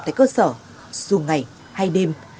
tại cơ sở dù ngày hay đêm